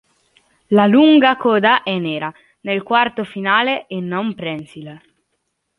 La lunga coda è nera nel quarto finale e non prensile.